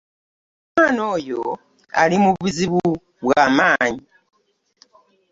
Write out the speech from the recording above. Omwana oyo ali mu buzibu bwa maanyi.